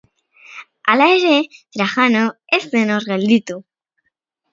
Hala ere, Trajano ez zen hor gelditu.